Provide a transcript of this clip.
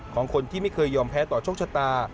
ของคนที่ไม่เคยยอมแพ้ต่อโชคชะตา